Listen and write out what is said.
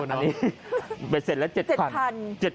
อันนี้ไปเสร็จแล้ว๗๐๐๐